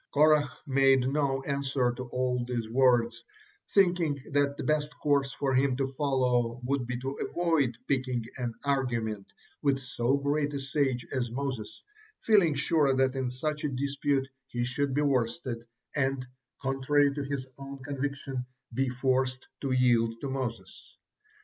Korah made no answer to all these words, thinking that the best course for him to follow would be to avoid picking an argument with so great a sage as Moses, feeling sure that in such a dispute he should be worsted and, contrary to his own conviction, be forced to yield to Moses.